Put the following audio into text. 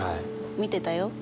見てたよ。